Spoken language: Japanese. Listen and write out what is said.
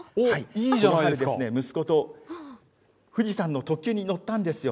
このように、息子と富士山の特急に乗ったんですよ。